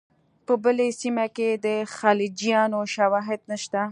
په بله سیمه کې د خلجیانو شواهد نشته.